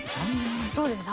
そうですね。